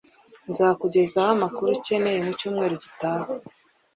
Nzakugezaho amakuru ukeneye mucyumweru gitaha